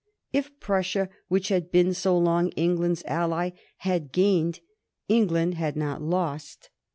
If Prussia, which had been so long England's ally, had gained, England had not lost.